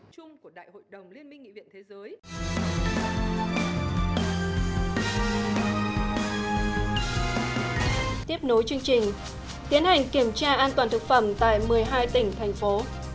tiếp nối chương trình tiến hành kiểm tra an toàn thực phẩm tại một mươi hai tỉnh thành phố